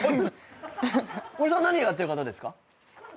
おじさん何やってる方ですか？